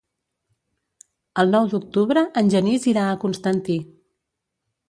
El nou d'octubre en Genís irà a Constantí.